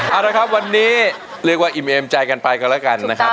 เอาละครับวันนี้เรียกว่าอิ่มเอมใจกันไปกันแล้วกันนะครับ